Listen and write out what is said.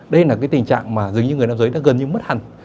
đây là cái tình trạng mà dường như người nam giới đã gần như mất hẳn